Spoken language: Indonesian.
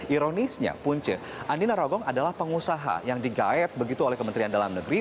ironisnya punce andi narogong adalah pengusaha yang digayat begitu oleh kementerian dalam negeri